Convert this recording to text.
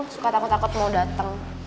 suka takut takut mau datang